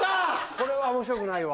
これは面白くないわ。